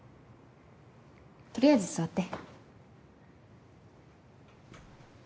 とりあえず座って。